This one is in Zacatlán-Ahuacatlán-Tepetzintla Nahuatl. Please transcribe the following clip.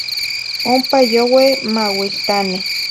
Ompa youe mauiltaneh.